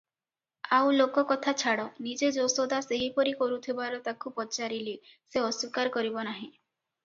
ଆଉ ଲୋକକଥା ଛାଡ଼, ନିଜେ ଯଶୋଦା ସେହିପରି କରୁଥିବାର ତାକୁ ପଚାରିଲେ ସେ ଅସ୍ୱୀକାର କରିବନାହିଁ ।